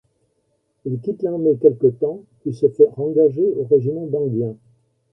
Il quitte l'armée quelque temps puis se fait rengager au régiment d'Enghien.